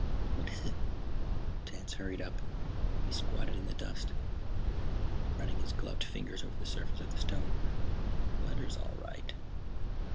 "What is it?" Tance hurried up. He squatted in the dust, running his gloved fingers over the surface of the stone. "Letters, all right."